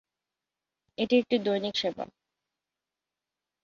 এটি একটি দৈনিক সেবা।